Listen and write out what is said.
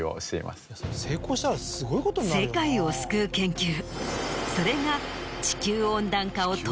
世界を救う研究それが。